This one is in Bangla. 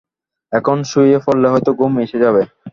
এখন শুয়ে পড়লে হয়তো ঘুম এসে যাবে।